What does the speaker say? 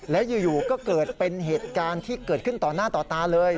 แล้วอยู่ก็เกิดเป็นเหตุการณ์ที่เกิดขึ้นต่อหน้าต่อตาเลย